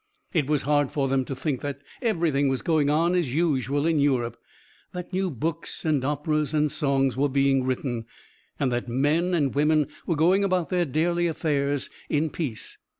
It was hard for them to think that everything was going on as usual in Europe, that new books and operas and songs were being written, and that men and women were going about their daily affairs in peace.